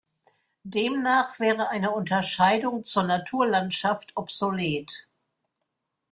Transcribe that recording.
Demnach wäre eine Unterscheidung zur Naturlandschaft obsolet.